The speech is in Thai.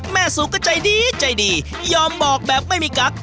แม่สุกก็ใจดีใจดียอมบอกแบบไม่มีกัก